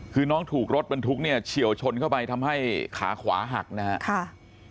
คือน้องถูกรถบรรทุกเนี่ยเฉียวชนเข้าไปทำให้ขาขวาหักนะครับ